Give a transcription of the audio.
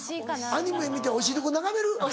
アニメ見ておしるこ眺める？